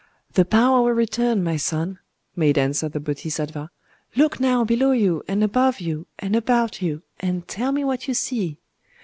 "The power will return, my son," made answer the Bodhisattva…. "Look now below you and above you and about you, and tell me what you see."